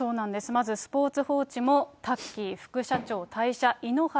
まずスポーツ報知もタッキー副社長退社。